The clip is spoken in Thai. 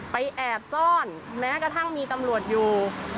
แอบซ่อนแม้กระทั่งมีตำรวจอยู่